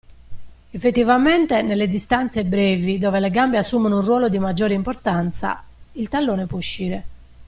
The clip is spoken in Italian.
Effettivamente nelle distanze brevi, dove le gambe assumo un ruolo di maggiore importanza, il tallone può uscire.